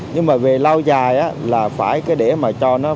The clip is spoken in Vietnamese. nhưng mà về lâu dài là phải để mà cho nó